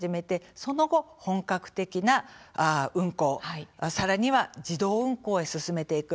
その後、本格的な運航さらには自動運航へ進めていく。